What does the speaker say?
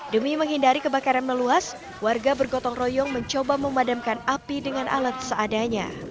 demi menghindari kebakaran meluas warga bergotong royong mencoba memadamkan api dengan alat seadanya